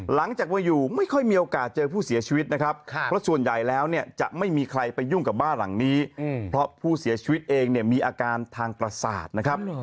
หลังจากว่าอยู่ไม่ค่อยมีโอกาสเจอผู้เสียชีวิตนะครับเพราะส่วนใหญ่แล้วเนี่ยจะไม่มีใครไปยุ่งกับบ้านหลังนี้เพราะผู้เสียชีวิตเองเนี่ยมีอาการทางประสาทนะครับ